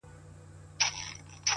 نو نن;